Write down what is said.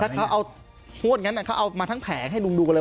พวกนี้ก็แบบมั้ยเขาเอามาทั้งแผงให้ลุงดูกันเลย